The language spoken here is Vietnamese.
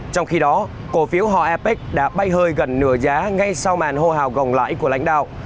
trong khi đó cổ phiếu hò apec đã bay hơi gần nửa giá ngay sau màn hô hào gồng lãi của lãnh đạo